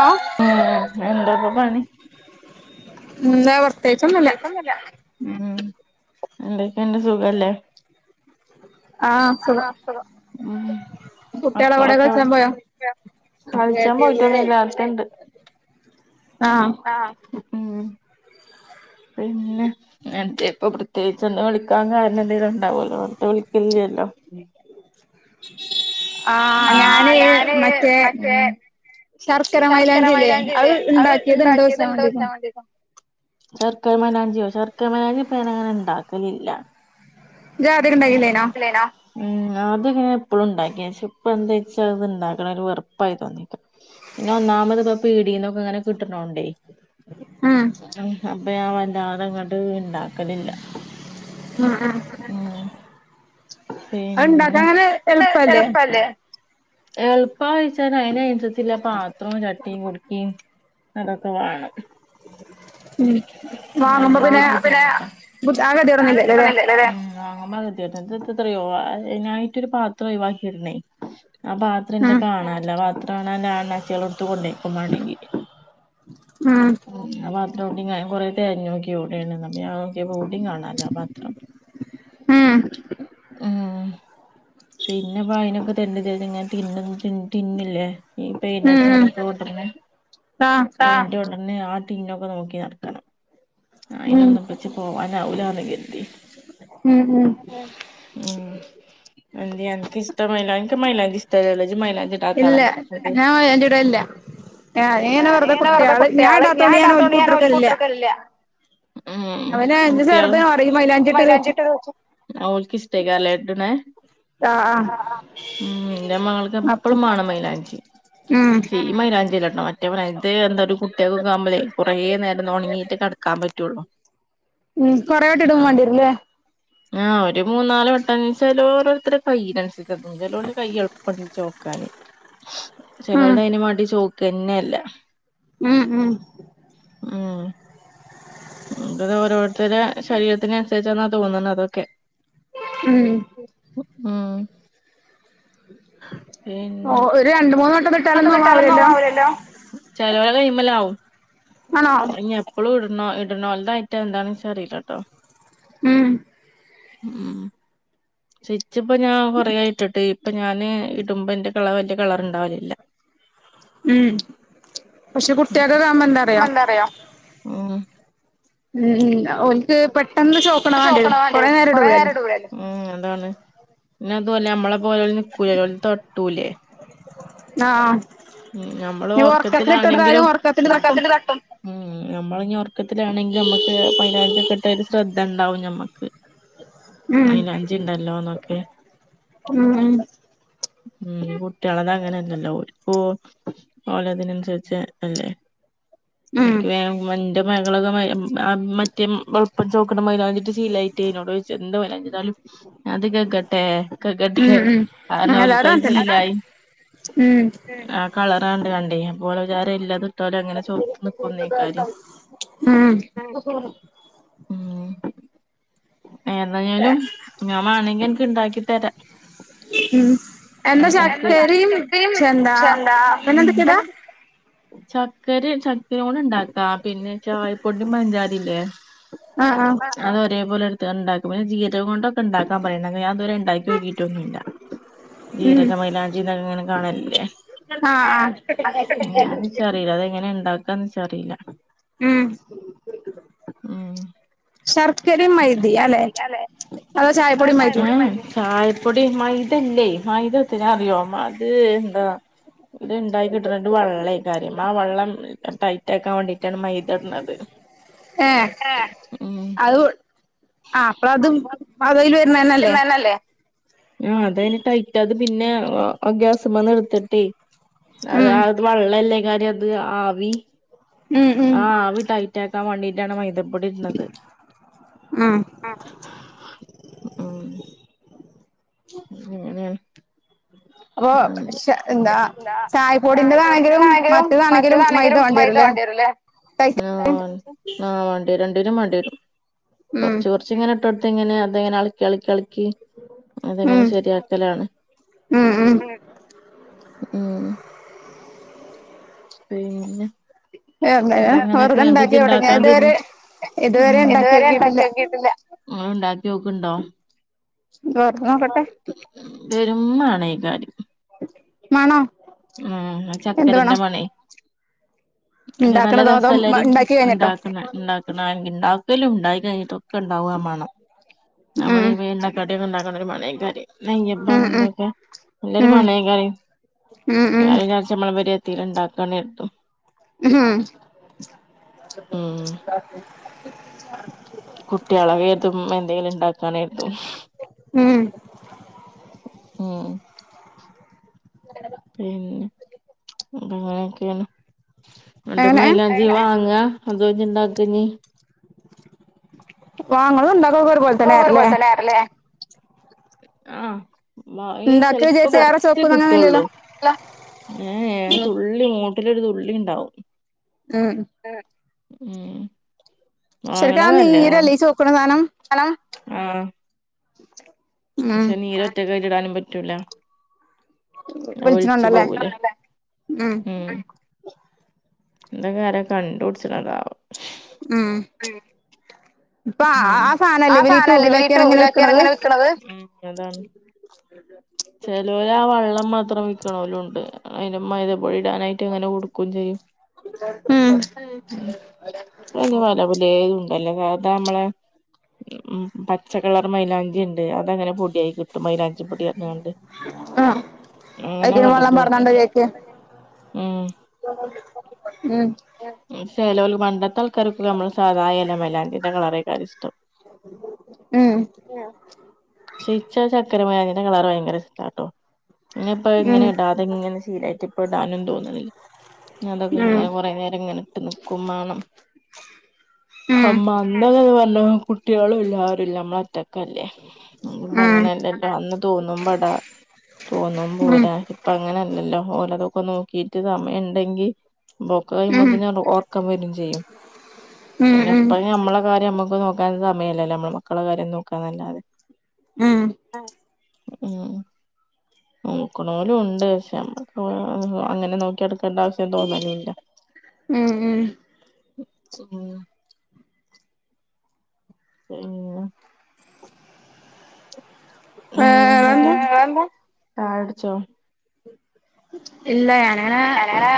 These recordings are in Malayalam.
ആഹ് ഉം എന്തപ്പൊ പണി ന്നെവർ ഉം എന്തൊക്കെണ്ട് സുഖല്ലേ ആഹ് സുഖം ഉം കുട്ടികളെ കൂടെ മക്കളൊക്കെ കളിച്ചാൻ പോയോ കളിച്ചാൻ പോയിട്ടാണ് ല്ലാക്ക ഇണ്ട് ആഹ് പിന്നെ എന്തേ ഇപ്പൊ പ്രത്യേയിചെന്ത വിളിക്കാൻ കാരണന്തെങ്കിലും ഇണ്ടാവല്ലോ. തെ വിളിക്കല്ല്ല്ലോ. ആഹ് ഞാന് ഹ് മറ്റേ ശർക്കര മൈലാഞ്ചില്ലേ അത് ഇണ്ടാക്കിയത് ഇണ്ടോയ് ചാൻ വേണ്ടിട്ട് ശർക്കരമൈലാഞ്ചിയൊ ശർക്കരമേലാപ്പ ഞാനങ്ങനെ ണ്ടാക്കലില്ല. ഇജാദ്യ ണ്ടാക്കില്ലേര്ന്നോ? [inaudible] ഉം ആദ്യക്കൊ ഞാൻ എപ്പഴും ഇണ്ടാക്കീൻ പഷെ ഇപ്പന്താച്ചാ അത് ഇണ്ടാക്ക്ണെക്കെ ഒരു വെർപ്പായി തോന്നിക് പിന്നെ ഒന്നാമത് ഇപ്പ പീടിന്നൊക്കെ ങ്ങനെ കിട്ട്ണോണ്ട് ആഹ് ഇപ്പ ഞാൻ വല്ലാതെങ്ങട്ട് ഇണ്ടാക്കലില്ല. [unintelligible] ഉം [inaudible] അത് പിന്നെ ഉണ്ടാക്കാൻ അങ്ങനെ [unintelligible] എളുപ്പല്ലേ? എള്പ്പായിച്ചാൽ അയിനൻസര്ച്ച്ള്ള പാത്രും ചട്ടിം കുടുക്കേം അതൊക്കെ വേണം. ഉം. വാങ്ങാമ്പ് പിന്നെ. ബുദ്ധി ആ [inaudible] ഗതികേടൊന്നുല്ലല്ലോ ല്ലേ അതെന്താന്നറിയോ അഹ് അയിനായിറ്റൊരു പാത്രം ഒഴിവാക്കിടണേ. ആ പാത്രന്റെ ആഹ് കാണാനില്ല വട്ടൊള്ള വല്ല അണ്ണാച്ചിയോള് യെ ത്ത്കോണ്ടൊയ് ക്കു മാണെങ്കിഅ [unintelligible] ഉം ഓ ഞാനും കൊറേ തെര്ഞ്ഞോക്കി എഉടേണ്ന്ന് ഞാനോക്കിയപ്പോ എവിടിം കാണാല്ല്യ ആ പാത്രം. ഉം ഉം [unintelligible] രണ്ടുപേരെ ഞൻ ട്ടിന്നു ട്ടിൻ ട്ടിന്നില്ലേ.? ഈ ഉം ഉം പെയിന്റടിച്ചാനൊക്കെ കൊണ്ടെര്നെ ആഹ് ആ പെയിന്റൊ പിന്നെ ആ ടിന്നൊക്കെ നോക്കി നടക്കണം. ഉം അയിനൊന്നുംപ്പച്ച് പോവാനാവൂലാന്ന് കരുതി. ഉം ഉം ഉം. അഎന്ത്യെ അൻക് ഇഷ്ട്ട മൈലാ അൻക്ക് മൈലാഞ്ചി ഷ്ട്ടല്ല്യല്ലോ ഇജ് മൈലാഞ്ചി ഇല്ല ഇടാത്താളല്ലെ? ഞാൻ അയിന്റെ ഇടലില്ല ഞാനിങ്ങനെ ഏ നെ വെറുതെ കുട്ടികള് ഞാൻ കുട്ടിയാള് ഞാ ഇടാത്തോണ്ട് ഓൽക്ക് ഞാൻ ഇട്ടൊടുക്കലില്ല ഓൽക്കൂട്ടർക്കലില്ല. ഉം അവന് എന്റെ കുട്ടിയാള്. ചെറുത് പറയും മൈലാഞ്ചി ഇജ് ഇട്ട് ചോദിച്ചും മൈലാഞ്ചിട്ടൊ [unintelligible] ആ ഓൽക്കിസ്ട്ടേല്ലെ ഇട്ണെ? ആഹ് അ.. ആഹ് അ ഉം. ന്റെ മകൾക്ക് അപ്പം എപ്പളും മേണം മൈലാഞ്ചി, ഉം പഷേ ഈ മൈലാ മറ്റേ ഇത് എന്താ ഒരു കുട്ടിയാക്കൊക്കെ ആവുമ്പളെ കൊറേ നേരം ഒണങ്ങീട്ട് കെടക്കാൻ പറ്റുള്ളു. ഉം കൊറേയാട്ട് ഇടും വണ്ടിയെരുല്ലെ? ആ ഒരു മൂന്നാല് വട്ടം ചേലോര് അത്ര കൈനനുസര്ച്ചാന്ന് തോന്ന്ണ് ചെലോലെ കൈ എളുപ്പം ണ് ചോക്കാന് ഉം ചെലോടെ അയിനും മേണ്ടി ചോക്കന്നെയ്ല്ല. ഉം ഉം. ഉം അത് ഓരോരുത്തരടെ ശരീരത്തിനൻസരിച്ചെന്നാ തോന്ന്ണ് അതൊക്കെ. ഉം. ഉം. ഹ് ഓ പിന്നെ? ഒരു രണ്ട് മൂന്ന് വട്ടം ഇട്ടാലൊന്നും ആവൂലല്ലോ [unintelligible] ചേലോലെ എമ്മീലാവും മലാവും ആണോ അഹ് ഞ് എപ്പളും ഇട്ണോ ഇട്നോൽതയിത്ത എന്താന്ന് ച്ച് റീല ട്ടൊ. ഉം. ഉം. ച്ച് ച്ച് പ്പം ഞാൻ കൊറേ ആയി ഇട്ടിട്ട് ഇപ്പൊ ഞാന് ഇടുമ്പന്റെ കളർന്റെ കളർണ്ടാവില്ല. ഉം. പക്ഷെ, കുട്ട്യാകൊക്കെ ആവുമ്പോ എന്താറിയ? എന്താറിയോ ഉം ഉം ഓൽക്ക് പെട്ടെന്ന് ചോക്കണ മാണ്ടിയരും നോക്കണ കൊറേ വേണ്ടിവരും നേരം ഇടൂലല്ലോ? നേരം ഉം അതാണ്. പിന്നെ, അതുഅല്ല മ്മളെ പോലെ ഓല് നിക്കൂലല്ലോ ഓൽ തട്ടൂലെ? ന്ന ആഹ്. ഉം, ഞമ്മള് ഇനി ഒറക്കത്തില് ഇട്ടൊടുത്താലും ഒർക്കത്തിലാണെങ്കിലും ഒറക്കത്തില് ഒറക്കത്തിൽ തട്ടും. ഉം. നമ്മളിനി ഉറക്കത്തിലാണെങ്കിലും നമ്മുക്ക് പൈയ്യിനെ കെട്ട ഒരു ശ്രദ്ധ ഉണ്ടാവും ഞമ്മക്ക്. ഉം മൈലാഞ്ചിണ്ടല്ലോമ്മക്ക് ഉം ഉം ഉം. കുട്ടികളത് അങ്ങനെല്ലല്ലോ ഓര് ഓ ഓലെതിനൻസരിച്ച് അ അല്ലെ? [unintelligible] ഉം [unintelligible] ആ മറ്റെ [unintelligible] ചോക്കുന്ന മൈലാഞ്ചിട്ട് ചീലായിട്ടെ ന്നോട് ചോ എന്ത് മൈലാഞ്ചിട്ടാലും ഞാൻ ത് ക ഗട്ടേ ഉം കഗട്ടേ ആഹ ഉം നവൽക്ക എല്ലാരും അങ്ങൻതന്നെ ചീല്ലായി. ഉം ആ കളറണ്ടാണ്ട് ഓളെ വിചാരം ഇല്ലത് [unintelligible] ഉം [unintelligible] ഉം ഏതായാലും ഞാൻ മാണങ്കി അൻക്ക് ഇണ്ടാക്കി തര ഉം. എന്താ ചാക്കരിയും ചെന്താ പിന്നെന്തൊക്കെയടാ? ചക്കരെ ചക്കരോണ്ട് ണ്ടാക്കാ. പിന്നെ ചായപ്പൊടിം പഞ്ചാരില്ലേ ആ ഹാ ഇതേപോലെ എടുത്ത് ണ്ടാക്കും. പിന്നെ ജീരകംകൊണ്ടൊക്കെണ്ടാക്കൻ പ [unintelligible] ഞൻ ഇതുവരെ ണ്ടാക്കിയോക്കിയിട്ടൊന്നുല്ല. ഉം ജീരക മൈലാഞ്ചി [unintelligible] ഇങ്ങനെ കാണലില്ലേ. ആഹ് ആഹ് ച്ചറീല്ല. അതെങ്ങനെണ്ടാ- അ [unintelligible] ച്ചറീല്ല. ഉം ഉം ശർക്കരിം മൈദി അല്ലെ? അതോ അതൊ ചായപ്പൊടി മൈദയും ചായപൊടീം മൈദിം? ചായപ്പൊടി മൈതല്ലേ. മൈദ ത്തിനാ അറിയോ? മ അത് എന്താ ഇത് ഇണ്ടാക്കി കിട്ട് [unintelligible] വള്ളയ്‌ക്കാരം. ആ വള്ളം ടൈറ്റാ ക്കാൻ വേണ്ടിട്ടാണ് മൈദട്ണത്. ഏ. അഹ് ആ അപ്പളത് [unintelligible] വരുന്നന്നല്ലേ? ആ അതേന് ടൈറ്റാത്. പിന്നെ ഗ്യാസ്മന്ന് എടുത്തിട്ടേ അത് ഉം അത് വെള്ളല്ലേ കാരം അത്. ആവി ഉം ഉം ആ ആവി ടൈ ആ വണ്ടയിട്ടാണ് മൈദ പൊടിട്ണ്ടത്. ഉം അ. ഉം ങ്ങനെ അപ്പൊ ഉം ശ എന്താ ന്താ. ചായപ്പൊടിന്റെതാണെങ്കിലും ചായപ്പൊടിണ്ടാതായെങ്കിലും മൈദ മറ്റേതാണെങ്കിലും വേണ്ടി മൈ ണ്ട വരുംല്ലേ വാണ്ടിവരൂല്ലെ? ഉം വ ഉം വാണ്ടിരു മാണ്ടിരും മാണ്ടിരും. ഉം കെർച്ച് കൊർച്ചിങ്ങനെ ഇട്ടൊട്തിങ്ങനെ അത് ങ്ങനെ അൾക്കി അൾക്കി അള് ക്കി അതെങ്ങനെ ഉം ശരിയാക്കലാണ്. ഉം ഉം ഉം പിന്നെ? അങ്ങനെ പ്പൊ അങ്ങനെയൊക്കെ വെറുതെ ണ്ട് ജ് ഇണ്ടാക്കിയോക്കട്ടെ ഞാൻ ണ്ടാക്കാൻ തീ ഇതുവരെ ഇതുവരെ ഇത് ഇണ്ടാക്കി നോക്കിട്ടില്ല വരെണ്ടാക്കിയോ ക്കിട്ടില്ല. ണ്ടാക്കിയോക്ക്ണ്ടൊ? വെറുതെ നോക്കട്ടെ പെരുംമണേക്കാരം. മണൊ? ആ ചക്കരൻ്റെ മണെ പക്ഷെ നല്ല ഇണ്ടാക്കണതോ അതോ രസല്ലെര് ഇണ്ടാക്കി കഴിഞ്ഞിട്ടോ ണ്ടാക്കുന്നെ. ണ്ടാക്ക്ണായാല ഉണ്ടാക്കലും ണ്ടാക്കി കഴിഞ്ഞട്ടൊക്കെ ണ്ടാവോ ആ മണം. നമ്മള് ഉം ഇവ എണ്ടക്കടിയൊക്കെ ണ്ടാക്കണ ഒരു മണക്കാര്യ. നെയ്യപ്പ ഉം ഉം ന്തൊക്കെ നല്ലരു ഉം മണേക്കാര്യ. ഉം ഉം ഞാൻ വിചാച്ചി നമ്മളെ പെരേലെത്തിയാല് ണ്ടാക്കാണ്തും ഉം കുട്ടിയളെവേതും എന്തേലും ണ്ടാക്കാനാതും. ഉം മ് [unintelligible] പിന്നെ? അങ്ങനെയൊക്കേണ്. അന്റെ എങ്ങനെ മൈലാഞ്ചി വാങ്ങാ? അതെ ജ് ണ്ടാക്കാ ഞ്ഞീ? വാങ്ങലും ഉണ്ടാക്കലൊക്കെ ഒരുപോലെ ഓവർ തന്നെയായിരുല്ലേ പോലെത്തലെ ക്കല്ലേ? ആ മഴീം ഇണ്ടാക്കി ചെലപ്പൊ വിചാരിച്ച് ഏറെ കൊറ്ച്ച് ചോക്കുന്ന് അങ്ങനെല്ലല്ലോ കിട്ടുള്ളൂ. ഏ എ ഉം തുള്ളി മൂ ട്ടിലൊരു തുള്ളിൺണ്ടാവും. ഉം ഉം ശരിക്കും ആ വാങ്ങണത് നല്ലതാ നീരല്ലേ ഈ ചോക്കണ സാനം ഹലോ ആഹ [unintelligible] ക്ഷെ നീരൊറ്റക്കാ അയിലിടാനും പറ്റൂല. അഹ് ഒലിച്ചു ഒലിച്ചണുണ്ടല്ലേ പോവൂല്ലേ. ഉം ഇതൊക്കാരാ കൺണ്ടുട്ച്ച്ണതാവോ? ഉും ഇപ്പാആ ഉം ആസാനം അല്ലേ ഇവര് ഈ ഈ ട്യൂബിലഅക്യാണ്ങ്ങനെ ട്യൂബിലാ വിക്കണത്. വിക്ക്ണത് ഉം അതാണ് [inaudible] ള്ളം മാത്രം വിക്ക്‌ണോലുംണ്ട്. അയില് മൈദപ്പൊടി ഇടാനായിട്ട് ഇങ്ങനെ വൊ ടുക്കും ചെയ്യും. അയിനി വലപുലേയുണ്ടല്ലോ. താമ്മളെ ഉം പച്ചക്കളർ മൈലാൻ ഞ്ചിണ്ട് അതങ്ങനെ പൊടിയായി കിട്ടും മൈലാഞ്ചിപ്പൊടിറഞ്ഞ്ങ്കാൻണ്ട്. അയിക്ക് വള്ളം പാർന്നാണ്ട് കേക്ക് ഉം മ്മും ചെലോല് പണ്ടത്തൾക്കാരൊക്കെഞ മ്മളെ സാധാ എലമൈലാഞ്ചി കളറേക്കാരം ഇഷ്ടം. ഉം ക്ഷെ ഇച്ചാ ചക്കരമൈ ൻന്റെകളറ് ഭയങ്കര ഇഷ്ടാട്ടോ ഞിപ്പഅ് ഉം ഇങ്ങനെ ഇടാതെങ്ങനെ ശീലായിട്ട് ഇപ്പടാനും തോന്ന്ണില്ല. അതൊക്കെ ഉം ഇങ്ങനെ കൊറെ നേരം ങ്ങനെട്ട്നിക്കുംമാണം. ഉം ഹമ്മാ ന്റതത് വല്ലോം കൊട് കുട്ട്യാളുംല്ലാരുംല്ലമ്മളൊറ്റക്കല്ലേ. ഉം ഇപ്പോ അങ്ങനെല്ലല്ലോ അന്ന് തോന്നുമ്പടാ ഉം ഉം തോന്നുമ്പൂരാ ഇപ്പ അങ്ങനല്ലല്ലോ ഓലതും പ്പനോക്കിട്ട് സമയണ്ടെങ്കി വൊക്ക കഴിയുമ്പോത്തിന് ഒർക്കം വരും ചെയ്യും. ഉം പിന്നെപ്പഴും നമ്മളെ കാര്യം നമ്മക്ക് നോകാന്സമയല്ലല്ലോ നമ്മളെ മക്കളെ കാര്യം നോക്കാന്നല്ലാതെ ഉും ഉം ഉും നോക്ക്‌ണോലുംണ്ട് ക്ഷെ നമ്മക്ക് ആ അങ്ങനെ നോക്ക്യടക്കേണ്ട ആവശ്യം തോന്നലൂല്ല. ഉും ഉം [unintelligible] പിൻന്നെ ഉം വേറെന്താ ന്തൊക്കെ [inaudible] ചായൊ ട്ച്ചോ? ഇല്ല ഞാനങ്ങനെ ഞാന്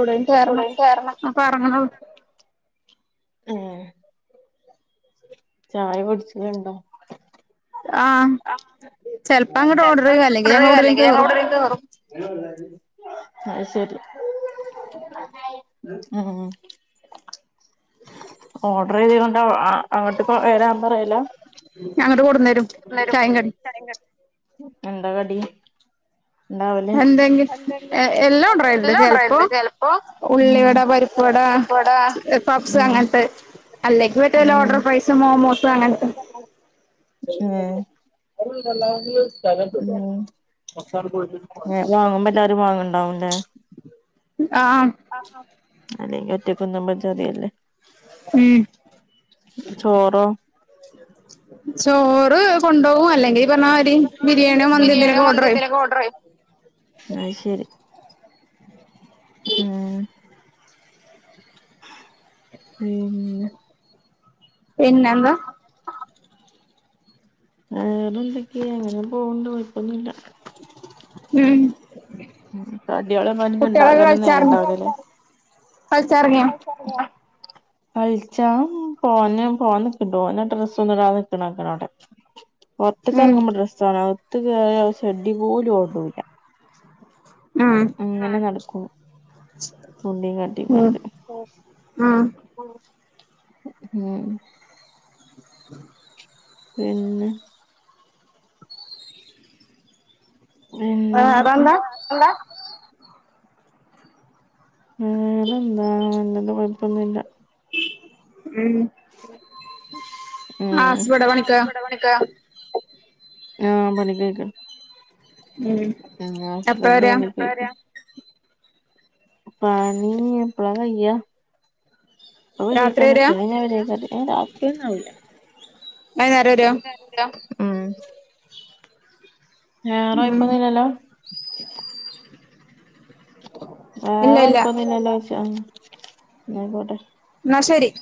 ഓടേലുംകേരണം കേറണം അപ്പൊ അറങ്ങ്ണൊള്ളൂ. ആ അഹ ചായ കുടിച്ച്ണ്ൻണ്ടോ? ആഹ് അ ചെലപ്പോ അങ്ങട്ട് ഓർഡർ ചെയ്യും ചെൽപ്പോങ്ങട്ട് അല്ലെങ്കിൽ ഞങ്ങൾ ഇബ്ട്ന്ന്കേറും എവിടേലും അല്ലെങ്കിൽ കേറും ഔട്ഡെലും കേറും. അഹ്ശരി ഉം ഉും ഓർഡറൈതീ കൊണ്ട് ആ അങ്ങോട്ടിപ്പോ വരാൻ പറയലാ ഞാങ്ങട്ട് കൊട്ന്നേരും ചായീം കടിം. എൻന്താ കടി? ഇണ്ടാവല് എന്തെങ്കി എല്ലാം കൊണ്ട്രോലിണ്ട്. ചെ ഓർഡർ ലപ്പോ ചെയ്യലുണ്ട് ഇപ്പൊ ഇവിടെ. ഉം ഉള്ളിവട പരിപ്പ് വട ആഹ് ഇവടെ സ് പപ്സ് അങ്ങൻത്ത് അല്ലങ്കി മറ്റേ ലോഡഡ് ഫ്രൈസ് മോമൂസ് അങ്ങൻത്തെ ഏഹ് അത് വല്ലാൻഡ് സ്ഥലലം ലല്ലോ കൊർ ചാൻണ്ട് പോയിട്ട് വാങ്ങുമ്പോ വണ്ടിരിച്ചാനും എല്ലാരും വാങ്ങണ്ടാവുംല്ലേ ഹുംആഹ് അല്ലെങ്കി ഒറ്റക്ക്‌ന്നുമ്പോ ചെറെല്ലേ ഉ ചോറോ ചോറ് കൊണ്ടോകും അല്ലെങ്കിൽ ഇജ് പറഞ്ഞമാരി ബിരിയാണിയോ മന്ത്യോ എന്തെലൊക്കെ ഓർഡ്രയ്യും അത് ഉും ഉം പിന്നെഎന്താ വേറെന്തൊക്കെയെ അങ്ങനെ പോൻണ്ട് കുഴപ്പൊന്നുമില്ല ഉം ഉ തടിയോളി പ കുട്ടികളൊക്കെ ഇണ്ടാകാനൊന്നും കളിച്ചാർന്ന് നേരണ്ടാവൂലല്ലേ കളിച്ചെറങ്ങിയോ അഅ്ചറീല [inaudible] കളിച്ചാൻ പോന്ന് പോവാൻ നിക്ക്ണ്ടോൻ ഡ്രസ് ഒന്നും ഇടാതെ നിക്ക്ണതാവ്ടെ ഉം പൊറത്ത്കറങ്ങുമ്പോ ഡ്രസ്സ് വാണം അകത്തു കയറിയാ ഷെഡി പോലും ഇടൂല ഉം അങ്ങനെ നടക്കും ഉം കുണ്ടീംകാട്ടിക്കാണ്ട് ഉം ഉം ഉം പിന്നെ പിന്നെ എന്തെക്കെ വേറെന്താ വേറെ എന്താ നല്ലത് കൊഴപ്പൊന്നുല്ല ഉം അ ആ അസ് ലു ഇമ്പടെ പണിക്ക ആഹ പണിക്കൊയ്ക്കാണ് ആ എപ്പഴാ ഹസ്ബൻഡ് വരാ പണിക്ക് പോയി പണി എപ്പളാ കയ്യാ പ്പോ രാത്രി വരേയ്ക്കാരം ഉച്ച വരാ കഴിഞ്ഞാ വരുയ്ക്കാരം രാത്റി ഒന്നും ആവൂല്ല വൈന്നേരം വരോ ഉം വേറെ ഉം കൊയപ്പൊന്നുല്ലല്ലോ വേറെ ഇല്ല ഇല്ല കൊയിപ്പൊന്നുല്ലല്ലോയ്ച്ചാ മ് ന്നാ ആയ്ക്കോട്ടെ എന്നാശരി [inaudible]